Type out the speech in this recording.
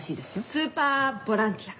スーパーボランティア。